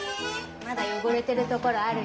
まだよごれてるところあるよ。